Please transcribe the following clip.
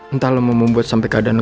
entah lo mau membuat sampai keadaan